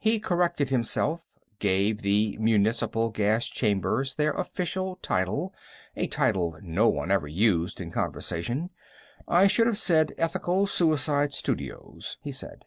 He corrected himself, gave the municipal gas chambers their official title, a title no one ever used in conversation. "I should have said, 'Ethical Suicide Studios,'" he said.